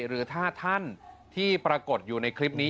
หรือถ้าท่านที่ปรากฏอยู่ในคลิปนี้